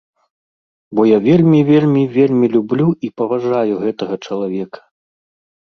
Бо я вельмі, вельмі, вельмі люблю і паважаю гэтага чалавека.